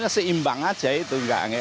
ya seimbang aja itu